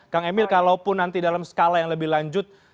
kang emil kalaupun nanti dalam skala yang lebih lanjut